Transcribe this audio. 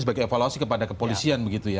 sebagai evaluasi kepada kepolisian